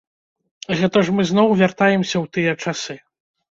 Гэта ж мы зноў вяртаемся ў тыя часы!